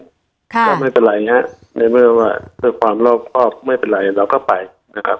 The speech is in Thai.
ก็ไม่เป็นไรนะในเมื่อว่าความล่อมก็ไม่เป็นไรเราก็ไปนะครับ